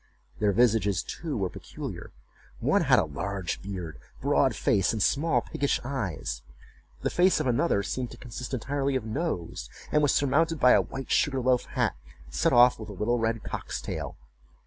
Their visages, too, were peculiar: one had a large beard, broad face, and small piggish eyes: the face of another seemed to consist entirely of nose, and was surmounted by a white sugar loaf hat set off with a little red cock's tail.